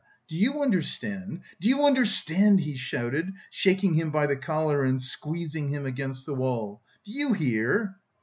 Do you understand? Do you understand?" he shouted, shaking him by the collar and squeezing him against the wall. "Do you hear?"